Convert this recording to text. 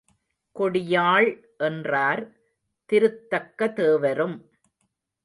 கொடியாள் என்றார் திருத்தக்கதேவரும்.